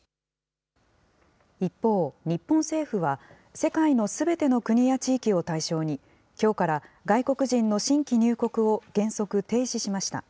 一方、日本政府は世界のすべての国や地域を対象に、きょうから外国人の新規入国を原則停止しました。